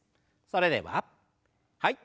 それでははい。